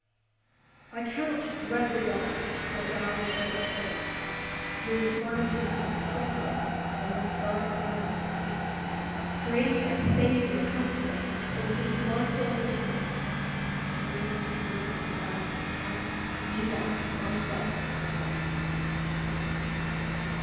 I cannot dread the darkness where thou wilt watch o'er me, Nor smile to greet the sunrise unless thy smile I see; Creator, Saviour, Comforter! on thee my soul is cast ; At morn, at night, in earth, in heaven, be thou my First and Last!